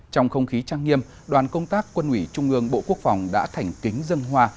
trong không khí trang nghiêm đoàn công tác quân ủy trung ương bộ quốc phòng đã thành kính dân hoa